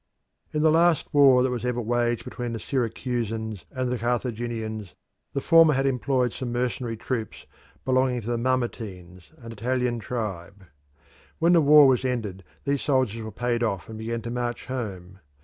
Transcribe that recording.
In the last war that was ever waged between the Syracusans and the Carthaginians, the former had employed some mercenary troops belonging to the Mamertines, an Italian tribe. When the war was ended these soldiers were paid off and began to march home.